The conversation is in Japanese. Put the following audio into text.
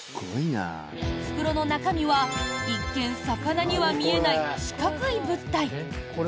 袋の中身は一見、魚には見えない四角い物体。